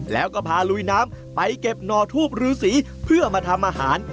แล้วก็พาลุยน้ำไปเก็บหน่อทูบรือสีเพื่อมาทำอาหาร